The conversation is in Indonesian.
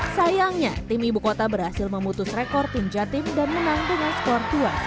sayangnya tim ibu kota berhasil memutus rekor tim jatim dan menang dengan skor dua satu